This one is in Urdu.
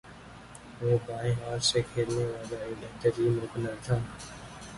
وہ بائیں ہاتھ سےکھیلنے والا ایک بہترین اوپنر تھا